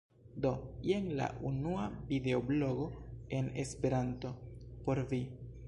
Do, jen la unua videoblogo en Esperanto. Por vi.